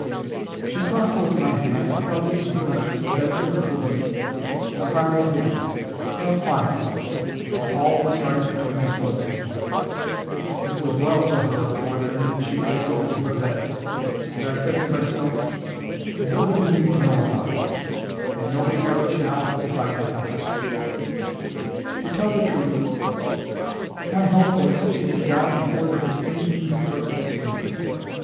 She caught hold of my hand and held it to her lips, and then to her bosom, and cried again, but more quietly, and all was right between us once more. It was well for her, poor thing, that she could go to her bed. And I said to myself, "Nobody need ever know about it; and nobody ever shall if I can help it." To tell the truth, my hope was that she would die before there was any need for further concealment.